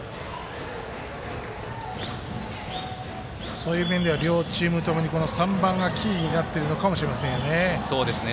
そういう面では両チームとも３番がキーになっているのかもしれませんよね。